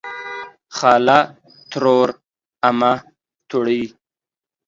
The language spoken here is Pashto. خاله ترور امه توړۍ